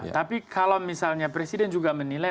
tapi kalau misalnya presiden juga menilai